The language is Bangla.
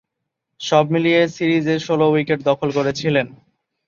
সব মিলিয়ে সিরিজে ষোল উইকেট দখল করেছিলেন।